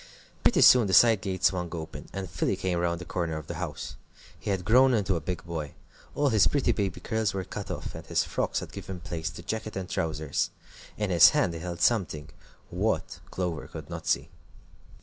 Pretty soon the side gate swung open, and Philly came round the corner of the house. He had grown into a big boy. All his pretty baby curls were cut off, and his frocks had given place to jacket and trousers. In his hand he held something. What, Clover could not see.